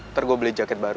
ntar gua beli jaket baru